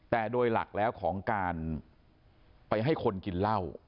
แต่โดยหลักแล้วของการไปให้คนกินเหล้า